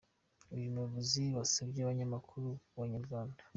Uyu muyobozi yasabye umunyamakuru wa Inyarwanda.